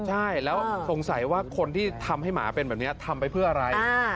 ใช่แล้วสงสัยว่าคนที่ทำให้หมาเป็นแบบนี้ทำไปเพื่ออะไร